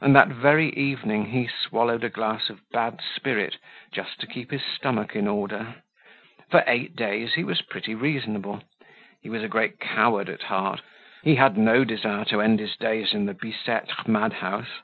And that very evening he swallowed a glass of bad spirit, just to keep his stomach in order. For eight days he was pretty reasonable. He was a great coward at heart; he had no desire to end his days in the Bicetre mad house.